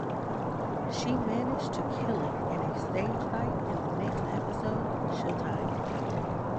She managed to kill it in a staged fight in the next episode "Showtime".